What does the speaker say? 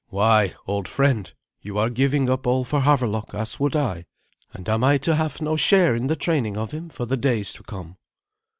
"Why, old friend, you are giving up all for Havelok, as would I. And am I to have no share in the training of him for the days to come?"